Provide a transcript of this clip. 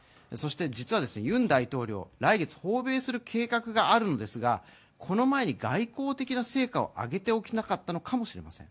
実はユン大統領、来週、訪米する計画があるんですがこの前に外交的な成果を挙げられなかったのかもしれません。